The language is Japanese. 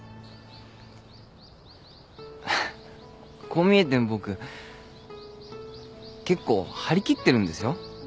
こう見えても僕結構張り切ってるんですよ。